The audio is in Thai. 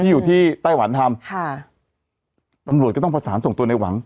อยู่ที่ไต้หวันทำค่ะตำรวจก็ต้องประสานส่งตัวในหวัง